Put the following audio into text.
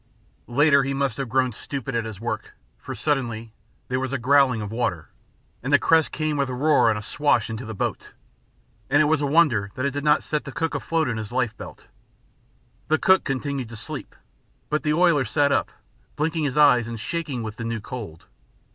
Later he must have grown stupid at his work, for suddenly there was a growling of water, and a crest came with a roar and a swash into the boat, and it was a wonder that it did not set the cook afloat in his life belt. The cook continued to sleep, but the oiler sat up, blinking his eyes and shaking with the new cold.